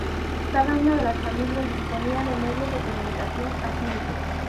Cada una de las familias disponía de medios de comunicación afines.